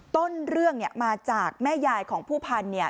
ต้นเรื่องเนี่ยมาจากแม่ยายของผู้พันธุ์เนี่ย